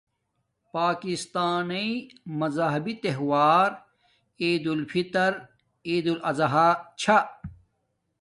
پاکستانی مزہبی تہوار عید الفطر عیدالاضہی چھا